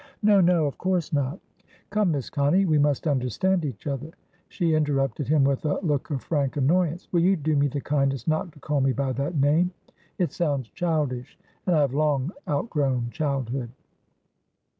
"No, no. Of course not." "Come, Miss Connie, we must understand each other" She interrupted him with a look of frank annoyance. "Will you do me the kindness not to call me by that name? It sounds childishand I have long outgrown childhood."